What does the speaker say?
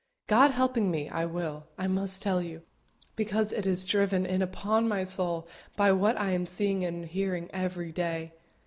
God helping me, I will, I must tell you, because it is driven in upon my soul by what I am seeing and hearing every day.